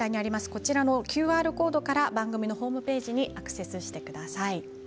こちらのＱＲコードから番組のホームページにアクセスしてください。